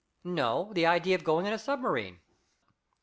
"No, the idea of going in a submarine."